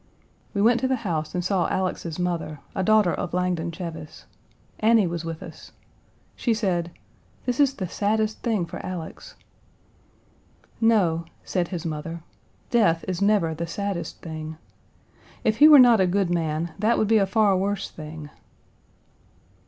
We went to the house and saw Alex's mother, a daughter of Langdon Cheves. Annie was with us. She said: "This is the saddest thing for Alex." "No," said his mother, "death is never the saddest thing. If he were not a good man, that would be a far worse thing."